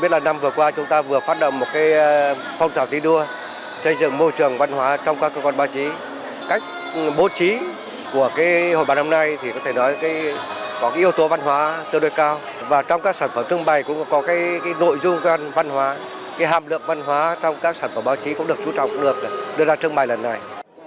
sản phẩm trưng bày cũng có nội dung văn hóa hàm lượng văn hóa trong các sản phẩm báo chí cũng được chú trọng được đưa ra trưng bày lần này